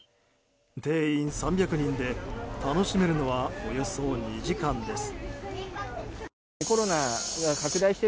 定員３００人で楽しめるのはおよそ２時間です。